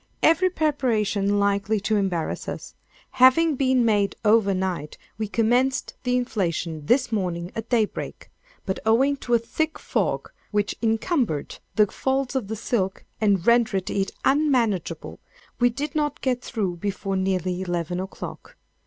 —Every preparation likely to embarrass us, having been made over night, we commenced the inflation this morning at daybreak; but owing to a thick fog, which encumbered the folds of the silk and rendered it unmanageable, we did not get through before nearly eleven o'clock.